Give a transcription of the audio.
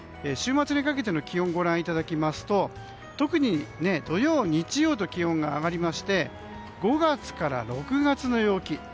週末にかけての気温をご覧いただきますと特に土曜、日曜と気温が上がりまして５月から６月の陽気。